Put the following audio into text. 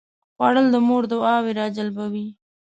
خوړل د مور دعاوې راجلبوي